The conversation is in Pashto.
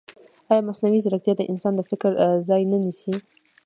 ایا مصنوعي ځیرکتیا د انسان د فکر ځای نه نیسي؟